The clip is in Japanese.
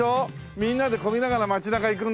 みんなで漕ぎながら街中行くんだよ。